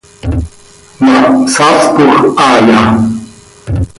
¿Ma hsaaspoj haaya?